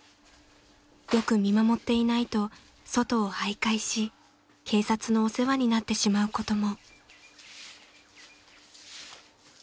［よく見守っていないと外を徘徊し警察のお世話になってしまうことも］